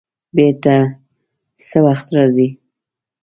بېرته څه وخت راځې؟